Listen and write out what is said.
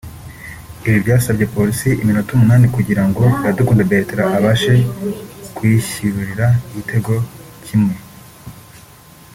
Ibi byasabye Police iminota umunani kugira ngo Iradukunda Bertrand abashe kuyishyurira igitego kimwe